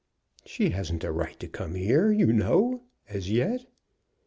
"She hasn't a right to come here, you know, as yet."